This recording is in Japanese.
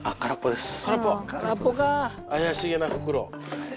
怪しげな袋。